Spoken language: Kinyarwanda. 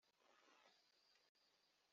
utanga serivisi zneza arunguka.